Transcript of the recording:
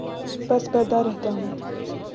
پس پردہ رہتا ہوں